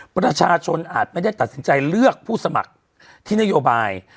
ประชาชนอาจไม่ได้ตัดสินใจเลือกผู้สมัครที่นโยบาย